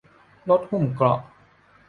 รถหุ้มเกราะ